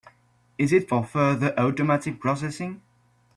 Is it for further automatic processing?